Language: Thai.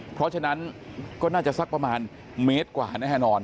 เพราะฉะนั้นก็น่าจะสักประมาณเมตรกว่าแน่นอน